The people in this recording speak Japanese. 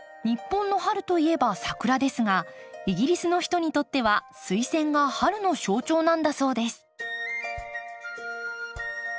日本の春といえばサクラですがイギリスの人にとってはスイセンが春の象徴なんだそうです。